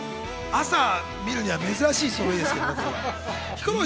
朝、見るには珍しいですよね。